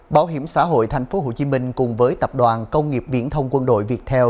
bảo hiểm xã hội tp hcm cùng với tập đoàn công nghiệp viễn thông quân đội việt theo